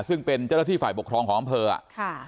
ซึ่งเป็นเจ้าหน้าที่ฝ่ายปกครองของอำเภออ่ะค่ะ